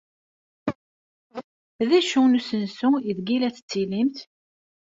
D acu n usensu aydeg la tettilimt?